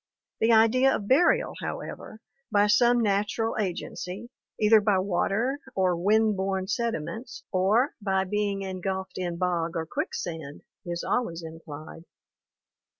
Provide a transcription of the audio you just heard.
The idea of burial, however, by some natural agency, either by water or wind borne sediments or by being engulfed in bog or quicksand, is always implied.